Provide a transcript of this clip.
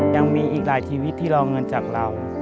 ยังมีอีกหลายชีวิตที่รอเงินจากเรา